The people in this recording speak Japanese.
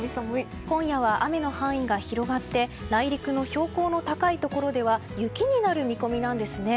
今夜は雨の範囲が広がって内陸の標高の高いところでは雪になる見込みなんですね。